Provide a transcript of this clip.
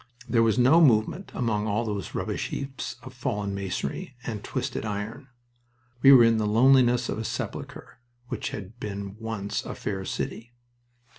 There was no movement among all those rubbish heaps of fallen masonry and twisted iron. We were in the loneliness of a sepulcher which had been once a fair city.